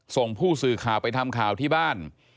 ส่งผู้สื่อข่าวไปทำข่าวที่บ้าน